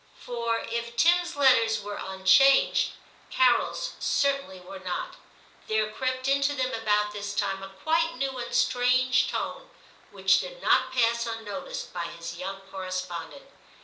For, if Tim's letters were unchanged, Carol's certainly were not. There crept into them about this time a quite new and strange tone, which did not pass unnoticed by his young correspondent.